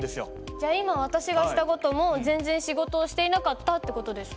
じゃ今私がした事も全然仕事をしていなかったって事ですか？